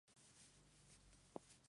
Eso despertó sospechas sobre Armand.